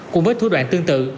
cùng với thủ đoạn tương tự